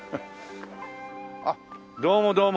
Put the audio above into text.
あっどうもどうも。